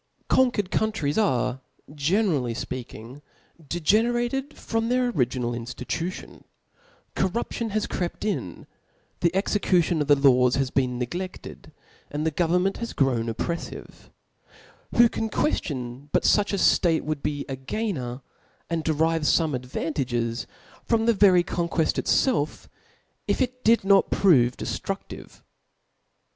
' Conquered countries are, generally fpeaking, de generated frohl their original iriftitatiohi ' Corrop tion has crept in, the execution of the laws has been hegleAed, and the govern taejat is grown op j)rcffive/ Who can quicftioii but fuch a tete wouH be a gainer, sthd derive Ibme advantages from the very conqueft itfclf, if it did hot prove deftrudivc?